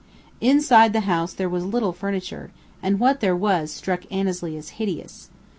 Inside the house there was little furniture, and what there was struck Annesley as hideous.